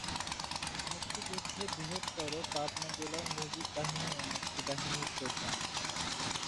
মুক্তিযুদ্ধে বৃহত্তর পাবনা জেলার মুজিব বাহিনী ও মুক্তিবাহিনীর প্রধান।